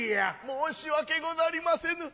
申し訳ござりませぬ。